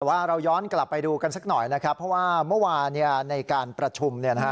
แต่ว่าเราย้อนกลับไปดูกันสักหน่อยนะครับเพราะว่าเมื่อวานในการประชุมเนี่ยนะฮะ